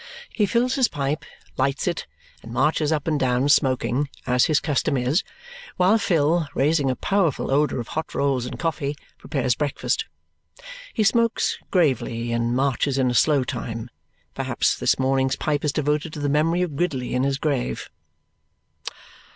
He fills his pipe, lights it, and marches up and down smoking, as his custom is, while Phil, raising a powerful odour of hot rolls and coffee, prepares breakfast. He smokes gravely and marches in slow time. Perhaps this morning's pipe is devoted to the memory of Gridley in his grave.